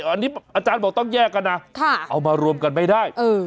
อันนี้อาจารย์บอกต้องแยกกันนะเอามารวมกันไม่ได้